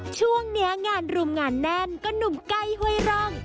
ช่วงนี้งานรุมงานแน่นก็หนุ่มใกล้ห้วยร่อง